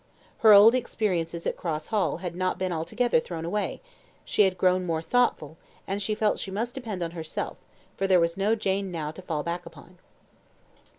Her old experiences at Cross Hall had not been altogether thrown away; she had grown more thoughtful, and she felt she must depend on herself, for there was no Jane now to fall back upon.